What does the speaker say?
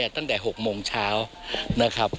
ตั้งแต่๖โมงเช้านะครับ